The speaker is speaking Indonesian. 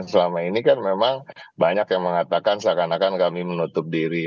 selama ini kan memang banyak yang mengatakan seakan akan kami menutup diri